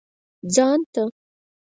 ځان ته.